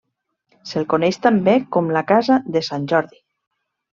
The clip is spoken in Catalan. Se'l coneix també com la casa de Sant Jordi.